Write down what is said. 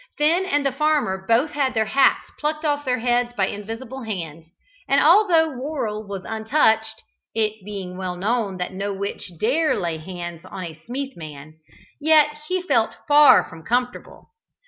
Finn and the farmer both had their hats plucked off their heads by invisible hands, and although Worrell was untouched (it being well known that no witch dare lay hands on a Smeeth man) yet he felt far from comfortable.